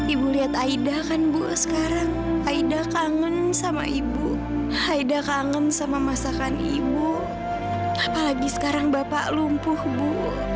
ibu lihat aida kan bu sekarang aida kangen sama ibu haida kangen sama masakan ibu apalagi sekarang bapak lumpuh bu